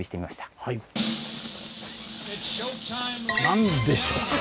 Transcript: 何でしょうか。